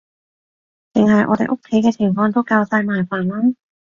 淨係我哋屋企嘅情況都夠晒麻煩喇